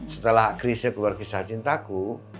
setelah krisha keluar kisah cintaku